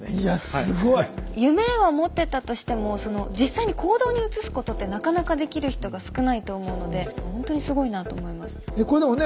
夢は持ってたとしても実際に行動に移すことってなかなかできる人が少ないと思うのでほんとにすごいなと思います。